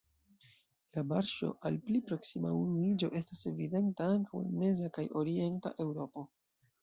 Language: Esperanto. La marŝo al pli proksima unuiĝo estas evidenta ankaŭ en meza kaj orienta Eŭropo.